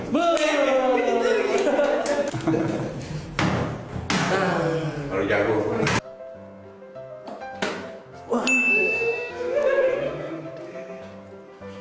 yang terakhir adalah pertanyaan dari anak muda